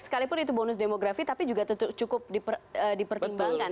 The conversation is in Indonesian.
sekalipun itu bonus demografi tapi juga cukup dipertimbangkan